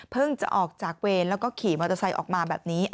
จะออกจากเวรแล้วก็ขี่มอเตอร์ไซค์ออกมาแบบนี้